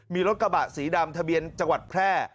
มีรถกระบะสีดำทะเบียนจังหวัดแพร่